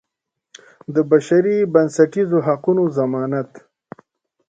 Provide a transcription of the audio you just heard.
د بشري بنسټیزو حقوقو ضمانت.